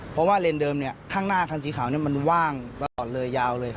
เพราะว่าเลนเดิมข้างหน้าคันสีขาวมันว่างตลอดเลยยาวเลย